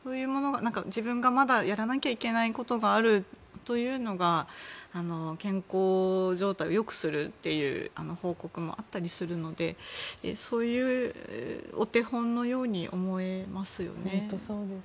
自分が、まだやらなきゃいけないことがあるというのが健康状態を良くするという報告もあったりするのでそういうお手本のように思えますよね。